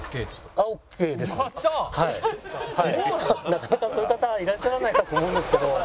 なかなかそういう方はいらっしゃらないかと思うんですけど。